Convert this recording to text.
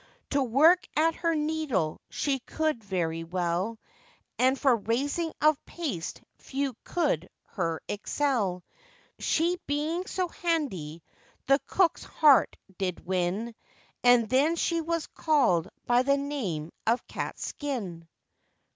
To work at her needle she could very well, And for raising of paste few could her excel; She being so handy, the cook's heart did win, And then she was called by the name of Catskin.